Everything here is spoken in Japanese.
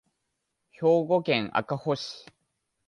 兵庫県赤穂市